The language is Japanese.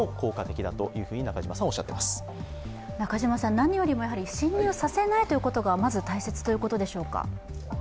なによりも侵入させないということがまず大切ということでしょうか。